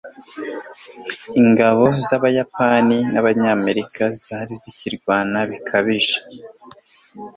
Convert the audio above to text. ingabo z'abayapani n'abanyamerika zari zikirwana bikabije